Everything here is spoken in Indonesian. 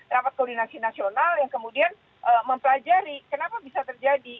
rapat koordinasi nasional yang kemudian mempelajari kenapa bisa terjadi